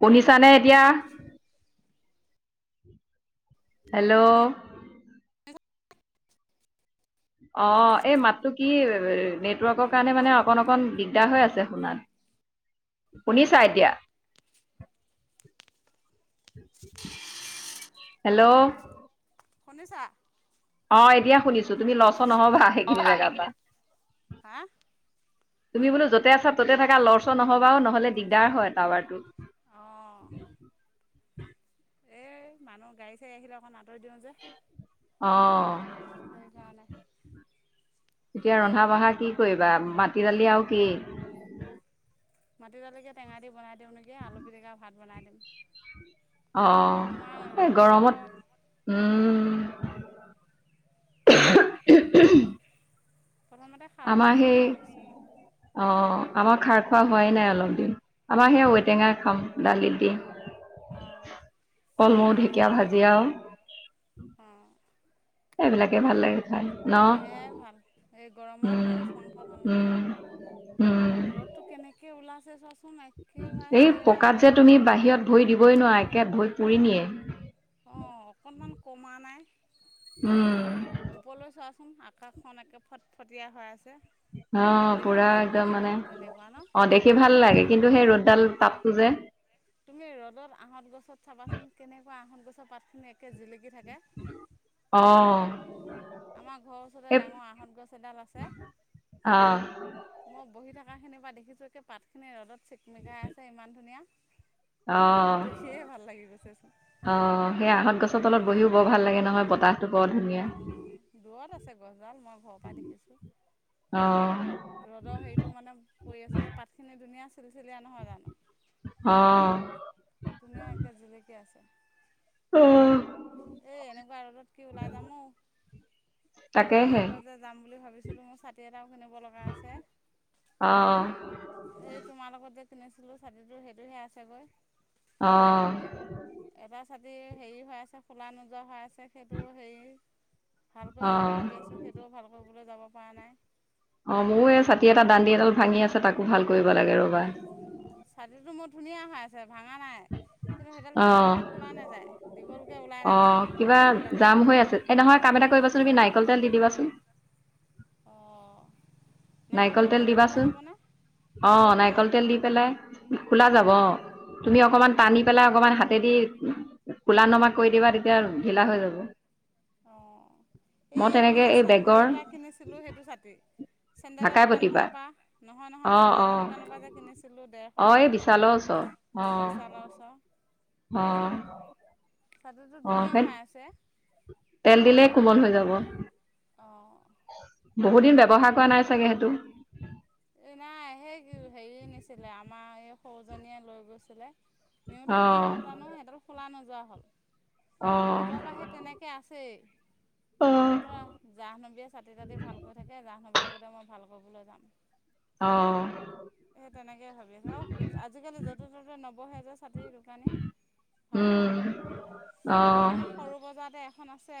শুনিছাঁনে এতিয়া। হেল্ল'। শুনিছা? অ', এই মাতটো কি নেটৱৰ্কৰ কাৰণে মানে অকন অকণ দিগদাৰ হৈ আছে শুনাত। শুনিছাঁ এতিয়া। হেল্ল', শুনিছাঁ! অ', এতিয়া শুনিছোঁ, তুমি লৰচৰ নহ'বা। সেইখিনি জেগাৰ পৰা। হা? তুমি বোলো য'তে আছা, ত'তে থাকা। লৰচৰ নহ'বা ও, নহ'লে দিগদাৰ হয় টাৱাৰটো। অ। এ মানুহ গাড়ী চাৰি আহিলে অকণ আঁতৰি দিওঁ যে। অ। সেই কাৰণে। এতিয়া ৰন্ধা বঢ়া কি কৰিবা মাটি দালি আৰু কি? মাটিদালিকে টেঙা দি বনাই দিওঁ নেকি, আলু পিটিকা, ভাত বনাই দিম। অ ইমান অ এই গৰমত উম উম প্ৰথমতে খাৰ বনাম বুলি ভাবিছিলো। অ আমাৰ খাৰ খোৱা হোৱাই নাই অলপ দিন আমাৰ সেইয়া ঔ টেঙা খাম দালিত দি। অ। কলমৌ, ঢেকীয়া ভাজি আও। এয়াও, অ। এবিলাক কে ভাল লাগে খাই ন? সেয়াই ভাল এই গৰমত উম মাছ মাংস ভাল নহয়। উম। উম ৰ'দটো কেনেকৈ ওলাইছে চোৱাচ- এই পকাত যে তুমি বাহিৰত ভৰি দিবই নোৱাৰা একে ভই পুৰি নিয়ে। অ অকণমান কমা নাই। উম। ওপলৈ চোৱাচোন আকাশখন একে ফটফটীয়া হৈ আছে। অ দেখি পুৰা ভালো লাগে একদম মানে কিন্তু তেনেকুৱা ন অ দেখি ভাল লাগে কিন্তু সেই ৰ'দডাল তাপটো যে তুমি ৰ'দত আহঁত গছত চাবাচোন কেনেকুৱা আহঁহঁত গছৰ পাতখিনি একে জিলিকি থাকে। অ। আমাৰ ঘৰৰ ওচৰতে এই ডাঙৰ আহঁত গছ এডাল আছে। অ মই বহি থকাখিনিৰ পৰা দেখিছোঁ পাতখিনি ৰ'দত চিকমিকাই আছে ইমান ধুনীয়া, অ দেখিয়ে ভাল লাগি গৈছেচোন। অ সেই আহঁত গছৰ তলত বহিও বৰ ভাল লাগে নহয় বতাহতো বৰ ধুনীয়া। অ দূৰত আছে গছডাল মই ঘৰৰ পা দেখিছো। অ। ৰ'দৰ হেৰিটো মানে পৰি আছে যে পাত খিনি ধুনীয়া চেলি চেলিয়া নহয় জানো? অ। ধুনীয়াকে জিলিকি আছে। অ এ এনেকুৱা ৰদত কি ওলাই যাম ঔ। তাকেহে টাউনলৈ যে যাম বুলি ভাবিছিলোঁ, মোৰ ছাতি এটাও কিনিব লগা আছে। অ এ তোমাৰ লগত যে কিনিছিলোঁ ছাতিটো সেইটোহে আছে গৈ। অ। এটা ছাতি হেৰি হৈ আছে খোলা নোযোৱা হৈ আছে সেইটো সেই ভাল কৰিম বুলি অ ভাবি আছোঁ সেইটোও ভাল কৰিবলৈ যাব পৰা নাই। অ মোৰো এই ছাতি এটা দানডি এডাল ভাঙি আছে তাকো ভাল কৰিব লাগে ৰ'বা। ছাতিটো মোৰ ধুনীয়া হৈ আছে, ভাঙা নাই। কিন্তু সেইডাল অ টানি দিলে খোলা নাযায় দীঘলকে ওলাই নাহে, দান্দিদাল যে সে নহয় কাম এটা কৰিবাচোন তুমি নাৰিকল তেল দি দিবাচোন। অ। নাৰিকল তেল দিবাচোন, অ খোলা যাব ন নাৰিকল তেল দি পেলাই খোলা যাব অ' তুমি অকমান অঁ তানী পেলাই অকমান হাতেদি কোলা নমা কৰি দিবা তেতিয়া ঢিলা হৈ যাব। অ', মই এই আমি তেনেকে যে এই চে হেৰি বেগৰ পৰা কিনিছিলোঁ সেইটো ছাতি। চেণ্ডেলৰ ঢাকাই পতিবা দোকানখনৰ পৰা নহয় অ নহয় অ চেণ্ডেলৰ দোকানৰ পৰা যে কিনিছিলোঁ ডেৰশ অ দি এই বিশালৰ ওচৰ [unintelligible] অ'। লাও চা অ সেই ছাতিটো ছতিটো অ ধুনীয়া সেই হৈ আছে। তেল দিলেই কোমল হৈ যাব। অ'। বহুত দিন ব্যৱহাৰ কৰা নাই চাগে সেইটো। এই নাই সেই হেৰীয়ে নিছিলে আমাৰ এই সৰুজনীয়ে লৈ গৈছিলে। নিওঁতে কি অ হ'ল জানো সেইডাল খোলা নোযোৱা হ'ল নোযোৱাৰ অ', পৰাহে। তেনেকে আছেই মই অ', বোলো জাহনবীয়ে চাতি তাতি ভালকৰি থাকে জাহনব [unintelligible] ভাল কৰিবলৈ যাম। অ', অ'। সেই তেনেকে ভাবি আছো আৰু আজিকালি য'তে ত'তে নবহে যে ছাতিৰ দোকানী। ভাল কৰা উম অ' এইখিনি সৰু বজাৰতে এখন আছে।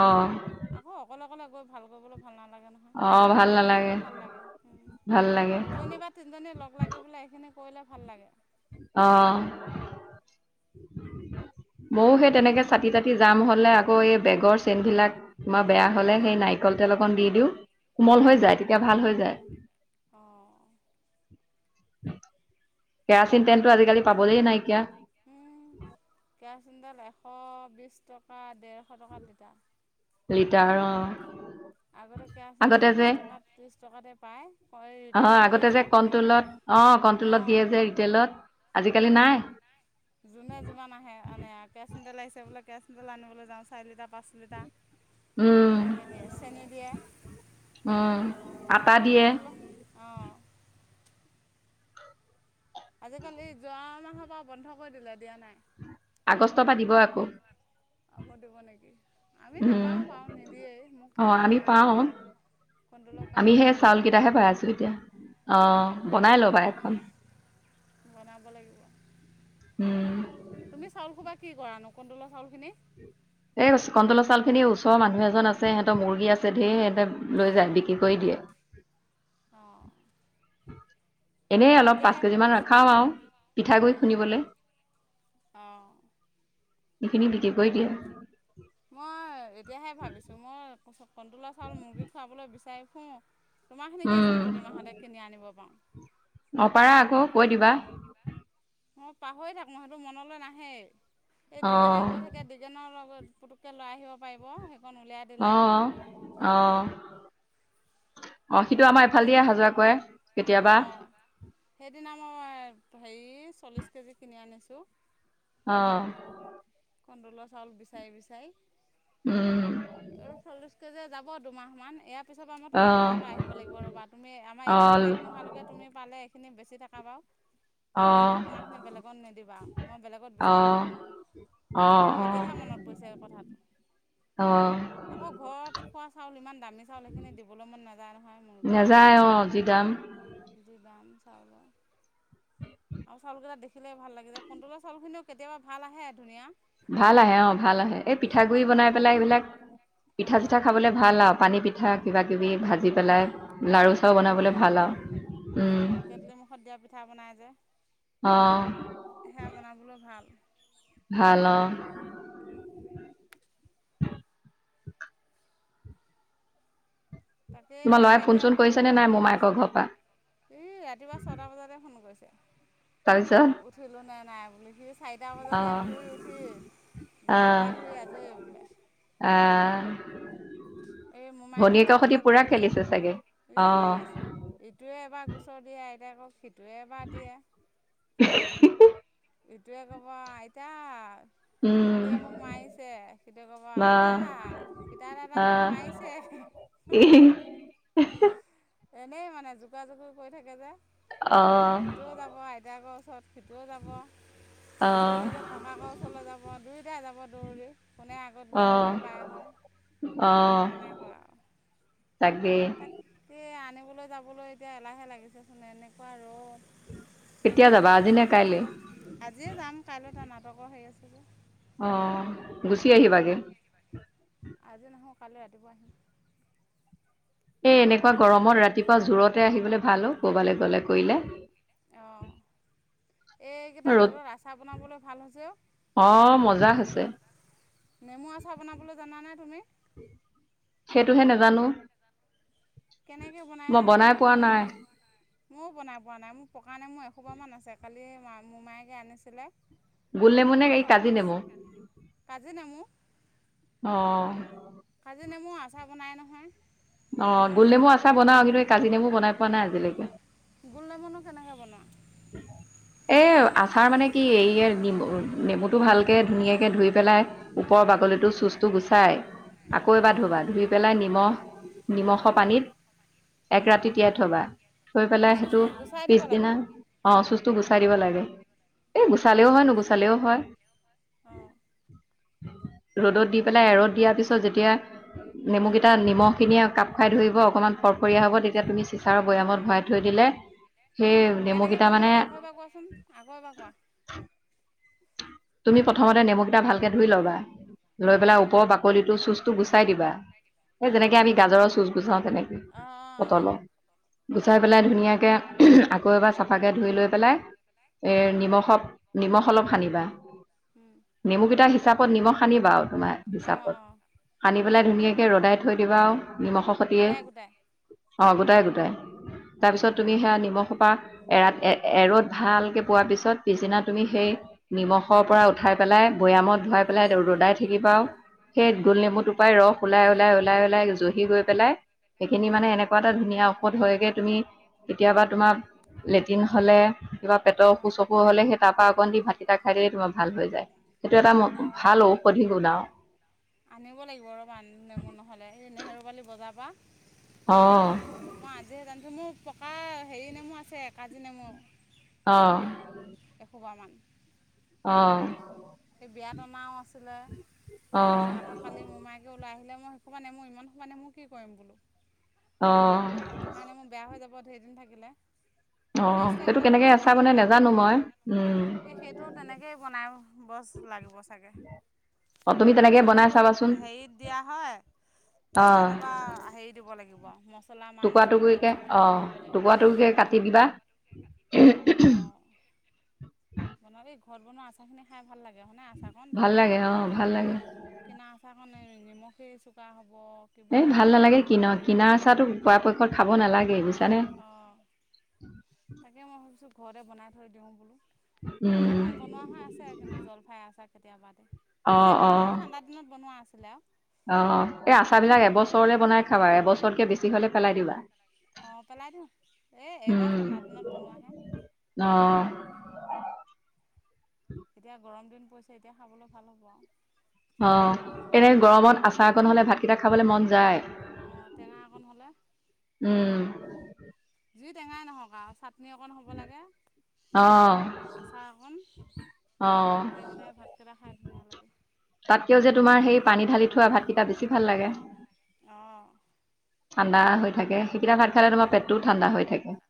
অ'। আকৌ অকলে অকলে গৈ ভাল কৰিবলৈ ভাল নালাগে ন। উম অ', ভাল লগত এজনী নালাগে, হ'লে ভাল লাগে উম ভাল লাগে, দুজনী বা তিনিজনী লগ লাগি পেলাই এইখিনি। কৰিলে ভাল লাগে। অ', ময়ো সেই তেনেকে মোৰ চাতি তাতি টি যাম হলে আকৌ এই বেগৰ চেন বিলাক তোমাৰ বেয়া হলে সেই নাৰিকল তেল অকন দি দিওঁ। কোমল হৈ যায় তেতিয়া ভাল হৈ যায়। অ'। কেৰাচিন তেলটো আজিকালি পাবলেই নাইকিয়া। উ, কেৰাচিন তেল এশ বিছ টকা ডেৰশ টকা লিটাৰ। লিটাৰ অ'। আগতে কেৰাচিন তেল আগতে যে বিশ টকাত ত্ৰিছ টকাতে পায় অ', এই অ', ৰিটেইলত দিয়ে আগতে যে। কণ্ট্ৰলত অ', কণ্ট্ৰলত দিয়ে যে ৰিটেইলত আজিকালি নাই। কালি নাই। যোনে যিমান আহে আনে আও কেৰাচিন তেল আহিছে বোলে কেৰাচিন তেল আনিবলৈ যাওঁ চাৰি লিটাৰ পাঁচ লিটাৰ। উম, তেনেকে দিয়ে, চেনী দিয়ে। উম, আটা দিয়ে। অ'। আজিকালি যোৱা মাহৰ পৰা বন্ধ কৰি দিলে দিয়া নাই। আগষ্টৰ পৰা দিব আকৌ। আকৌ দিব নেকি আমি উম, নাপাওঁ বাৰু নিদিয়েই মোৰ অ' আমি কাৰেণ্ট নাই। পাওঁ। কণ্ট্ৰলৰ আমি কাৰ্ড সে নাই চাউল বনাব কেইটাহে পাই আছো লাগিবহে এতিয়া অ' অঁ বনাই লবা এখন। বনাব লাগিব। উম। তুমি চাউল সোপা কি কৰা, কন্তলৰ চাউল খিনি? [unintelligible] এই কচু কণ্ট্ৰলৰ চাউল খিনি ওচৰৰ মানুহ এজন আছে সিহঁতৰ মুৰ্গী আছে ঢেৰ সিহঁতে লৈ যায় বিক্ৰী কৰি দিয়ে। অ'। এনেই অলপ পাঁচ কেজি মান ভাবিছোঁ ৰাখাও আও পিঠাগুড়ি খুন্দিবলে। অ। এইখিনি বিক্ৰী কৰি দিয়ে। মই এতিয়াহে ভাবিছোঁ মই কণতলৰ চাউল মুৰ্গীত খুৱাবলৈ বিচাৰি ফুৰো। উম, তোমাৰখিনিকেচোন প্ৰতিমাহতে কিনি আনিব পাৰোঁ। অ পাৰা আকৌ কৈ দিবা। মই পাহৰি থাকো মই সেইটো মনলৈ নাহেই সেই দিকেনে অ' গৈ থাক। কে দিগিনৰ লগত পুতুকে লৈ আহিব পাৰিব সেইকণ উলিয়াই। দিলে অ-অ। অ' সিইটো আমাৰ এইফালেদিয়ে সেইদিন অহা যোৱা কৰে কেতিয়াবা। অঁ সেইদিনা মই হেৰি চল্লিছ কেজি কিনি আনিছোঁ। অ। কনতলৰ চাউল বিচাৰি বিচাৰি উম, আৰু চলিচ। কেজিয়ে যাব দুমাহমান ইয়াৰ পিছৰ পৰা মই তোমাৰ অ' তাপৰা লৈ আহিব লাগিব ৰব তুমি আমাৰ এইখিনি অ' শেষ নোহোৱালৈকে। তুমি পালে এইখিনি বেছি থাকা বাৰু। তাৰপিছপা তোমাৰখিনি বেলেগত নিদিবা আৰু মই বেলেগত অ' বিচাৰি অ' নোপোওঁ আৰু। অ', মোৰ অ', এতিয়াহে মনত পৰিছে কথাট। অ। আকৌ ঘৰত খোৱা চাউল ইমান দামী চাউল সেইখিনি দিবলৈ মন নাযায় নহয় মোৰজী। নেযায় অ জি দাম। যি দাম চাউলৰ। আও চাউলকিটা দেখ। খিলে ভাল লাগি যে কণতলৰ চাউল খিনিও কেতিয়াবা ভাল আহে ধুনীয়া। ভাল আহে অ ভাল আহে এই হ'লেও পিঠাগ গুৰি কণ্ট্ৰলৰ বনাই পেলাই চাউলখিনি এইবিলাক পিঠা অঁ চিঠা খাবলে। ভাল আৰু পানী পিঠা কিবা কিবি ভাজি পেলাই উম লাৰু চাৰু ভাপত বনাবলে দিয়া ভাল আৰু। উম, অঁ কেটলি মুুখত দিয়া পিঠা বনাই যে। অ। সেয়া বনাবলেও ভাল। ভাল অ। [unintelligible] তোমাৰ তাকেইমই ল'ৰাই ফোন এতিয়া চোন বহি কৰিছেনে নাই পেলাইহে মোমায়েকৰ ভাবিছো। ঘৰৰ পৰা? ই ৰাতিপুৱা ছটা বজাতে ফোন কৰিছে। তাৰপিছত। উঠিলো নে নাই বুলি সি। চাৰিটা বজাতে অ', শুই উঠি গা পা ধুই আজৰি বোলে। আ। এই মোমায়েকে সোনকালে গ'লগৈ যে খেলিছে চাগে? ইছ। অ', ইটোৱে এবাৰ গোচৰ দিয়ে আইতাইক সিটোৱে এবাৰ দিয়ে। ইটোৱে ক'ব আইতা। উম, টিকলীয়ে মোক মাৰিছে সিটোৱে ক'ব বা আইতা। পিতা দাদা মোক মাৰিছে। [inaudible] ইহ [unintelligible] এনেই মানে যোগাৱা যোগোই কৰি থাকে যে অ', ইটোয়েও যাব আইতাকৰ ওচৰত সি তু যাব। এতিয়া অ', যতে ককাকৰ ওচৰলৈ যাব, দুয়োটাই যাব দৌৰি কোনে আগত গৈ ক'ব অ', পাৰেগৈ। [inaudible] তেনেকুৱা আৰু। তাকে তাকে আনিবলৈ যাবলৈ এতিয়া এলাহে লাগিছেচোন এনেকুৱা ৰ'দ। কেতিয়া যাবা আজি নে কাইলৈ? আজিয়ে যাম কাইলৈ তৰ নাটকৰ হেৰি আছে যে। অ গুচি আহিবাগে? আজি নাহো কাইলৈ ৰাতিপুৱা আহিম। এ এনেকুৱা গৰমত ৰাতিপুৱা জোৰতে আহিবলৈ ভাল অ কৰবালৈ গ'লে কৰিলে। অ এইকেইটা ৰ'দ ৰ'দত আচাৰ বনাবলৈ ভাল হৈছে অ। অঁ মজা হৈছে নেমু আচাৰ বনাবলৈ জানা নে তুমি? সেইটোহে নাজানো কেনেকৈ বনাই মই পোৱা মোৰ নাই ময়ো বনাই পোৱা নাই। মোৰ পকা নেমু এশোপাহমান আছে কালি মা মমায়েকে আনিছিলে। গোল নেমু নে অ এই কাজি আছ, নেমু কাজি নেমু অ। কাজি নেমু আচাৰ বনাই নহয়। অ গল নেমু আচাৰ বনাও কিন্তু এই কাজি নেমু বনাই পোৱা নাই আজিলৈকে। গোল নেমুনো কেনেকৈ বনোৱা? [unintelligible] এই আচাৰ মানে কি এই নেমু নেমুটো ভালকে ধুনীয়াকে ধুই পেলাই ওপৰৰ বাগলিটো চুচটো গুচাই, আকৌ এবাৰ ধুবা, বনোৱা ধুই পেলাই নিমখ নিমখৰ পানীত এক ৰাতি তিয়াই থবা। থৈ পেলাই সেইটো চুচটো গুচাই দিব লাগে পিছদিনা অ চুচটো গুচাই দিব লাগে। এই গুচালেও হয় নুগুচালেও হয়। অঁ ৰ'দত দি পেলাই ৰ'দ দিয়াৰ পিছত যেতিয়া নেমুকেইটা নিমখ খিনিয়ে কাপ খুৱাই ধৰিব অকমান ফৰফৰয়া হ'ব তেতিয়া তুমি চিচাৰৰ বৈয়ামত ভৰাই থৈ দিলে সেই নেমু কেনেকৈ কেই কৰিব লাগে আকৌ এবাৰ কোৱাচোন, আকৌ এবাৰ কোৱা। তুমি প্ৰথমতে নেমুকেইটা ভালকে ধুই ল'বা, লৈ অঁ পেলাই ওপৰৰ বাকলিটো চুচটো গুচাই দিবা। এই অঁ যেনেকে আমি গাজৰৰ চুজ গুচাও তেনেকে অঁ অঁ পটলতৰ গুচাই পেলাই ধুনীয়াকে আকৌ এবাৰ চাফাকে ধুই লৈ পেলাই এই নিমখত নিমখ অলপ সানিবা। নেমুকেইটাৰ হিচাপত নিমখ সানিবা আউ তোমাৰ অঁ অঁ হিচাপত, অঁ সানি পেলাই ধুনীয়াকৈ ৰ'দাই থৈ দিবা আৰু নিমখৰ সতিয়ে গোটাই গোটাই অ গোটাই গোটাই অঁ তাৰপিছত তুমি সেয়া নিমখ সোপা এৰাত এ-এৰ'দ ভালকে পোৱা পিছত পিছদিনা তুমি সেই নিমখ খৰ পৰা উঠাই পেলাই বৈয়ামত ধুৱাই পেলাই ৰ'দাই থাকিবা আউ সেই গোল নেমুটো পৰাই ৰস ওলাই ওলাই ওলাই ওলাই জহি গৈ পেলাই সেইখিনি মানে এনেকুৱা এটা ধুনীয়া ঔষধ হয়গৈ তুমি কেতিয়াবা তোমাৰ লেট্ৰিন হ'লে কিবা পেটৰ অঁ অসুখত-চসুখত হ'লে সেই তাৰপৰা অকণ দি ভাতকেতা খাই দিলে তোমাৰ ভাল হৈ যায়। সেইটো এটা ম অঁ ভাল ঔষধি গুন আউ। আনিব লাগিব ৰবা নেমু নহ'লে এই নেহেৰু পালি বজাৰৰ পৰা অ। মই আজিহে জানিছোঁ মোৰ পকা হেৰি নেমু আছে কাজি নেমু। অঁ এসোপামান অ' সেই বিয়াত টনাও আছিলে অ তাৰপিছত আকৌ কালি মোমাইকে ওলাই আহিলে মই সুপা মই ইমান সোপা নেমু কি কৰিম বোলো। অঁ পকা নেমু বেয়া হৈ যাব ঢেৰ দিন থাকিলে অ ফ্ৰিজ সেইটো থাকিলে মই কেনেকে আচাৰ ফ্ৰিজতে বনাই ভাত থৈ নাজানো মই উম দিছো সেইটো তেনেকেই বনাই বছ লাগিব চাগে অ তুমি তেনেকে বনাই গুলনেমুটো চাবাচোন হেৰিত দিয়া হয় অ ইয়াত যেনিবা হেৰিত দিব লাগিব মছলা মা টুকুৰা মছলা তেল টুকুৰিকে চল অ এইখিনি দিব লাগিব টুকুৰা টুকুৰিকে অঁ কাটি দিবা অঁ বনালেই ঘৰত বনোৱা আচাৰখিনি খাই ভাল লাগে হয়নোই আচাৰ কণ ভাল ভাতৰ লাগে অ ভাল লাগে লগত কিনা আচাৰ কাৰণে নিমখেই চোকা হ'ব এই কিবাই ভাল হ'ব নালাগে কিনক কিনা আচাৰটো পৰাপক্ষত খাব নালাগে বুইছানে। অঁ তাকে মই ভাবিছো ঘৰতে বনাই থৈ দিও বোলো হেৰি উম অকন বনোৱা হয় আছে কিন্তু জলফাই আছে কেতিয়াবাতে অ অ কেতিয়াবাতে মানে ঠাণ্ডা দিনত বনোৱা আছিলে আৰু অ এই আচাৰ সেইখিনি বিলাক খাবলৈ এবছৰলে হৈছে বনাই চাগে। খাবা এবছৰকে বেছি হলে পেলাই দিবা। অঁ পেলাই দিওঁ এই এইবাৰ উম ঠাণ্ডা দিনত বনোৱাহে অ সেইখিনি এতিয়া গৰম দিন পৰিছে এতিয়া খাবলৈ ভাল হ'ব আৰু অ এনে গৰমত আচাৰ অকণ হ'লে ভাতকেইটা খাবলৈ মন যায়। অঁ টেঙা অকণ হ'লে উম যি টেঙাই নহওক আৰু চাটনি অকণ হ'ব লাগে অ আচাৰ অকণ। অ সেইকেইটাই ভাতকেইটা খাই ধুনীয়া লাগে। তাতকৈও যে তোমাৰ সেই পানী ঢালি থোৱা ভাতকেইটা বেছি ভাল লাগে। অঁ ঠাণ্ডা হৈ থাকে সেইকেইটা ভাত খালে তোমাৰ উম পেটটোও ঠাণ্ডা হৈ থাকে।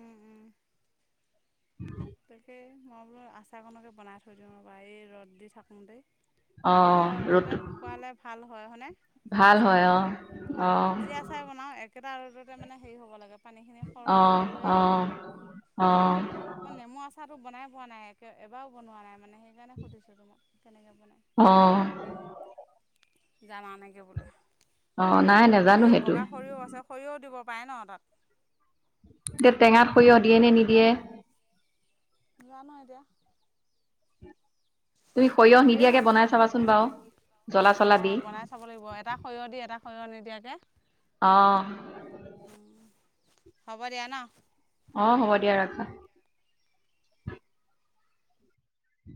উম উম। [unintelligible] তাকে মই বোলো আচাৰখনণকে বনাই থৈ দিওঁ আৰু এই ৰ'দ দি থাকোঁ তেই একেটা অ' ৰ'দতে ৰ'দটো শুকুৱালে ভাল হয় হনে ভাল হয় আচাৰ অ'। অ' য আ চাই বনাওঁ একেটা ৰদতে মানে হেৰি হ'ব লাগে পানীখিনি সৰ অ' জৰ জৰীয়া হ'ব অ' লাগে। অ মই নেমু আচাৰটো বনাই পোৱা নাই একে এবাৰো বনোৱা নাই মানে সেইকাৰণে সুধিছোঁ তোমাক কেনেকৈ বনায়? অ জানা নেকি বোলে অ' নাই নেজানো এই সেইটো। বগা সৰিয়হ আছে সৰিয়হ দিব পাৰে ন তাত? তে টেঙাত সৰিয়হ দিয়ে নে নিদিয়ে? নেজানো এতিয়া তুমি সৰিয়হ দিয়ে নিদিয়াকে বনাই অকনমান চাবাচোন হবলা বাৰু। জ্বলা অ চলা দি বনাই চাব লাগিব এটা সৰিয়হ দি এটা সৰিয়হ নিদিয়াকে অ উম হ'ব দিয়া ন। অ হ'ব দিয়া ৰাখা